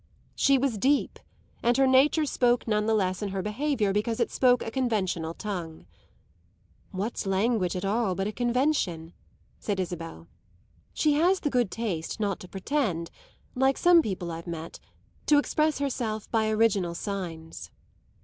She was deep, and her nature spoke none the less in her behaviour because it spoke a conventional tongue. "What's language at all but a convention?" said Isabel. "She has the good taste not to pretend, like some people I've met, to express herself by original signs."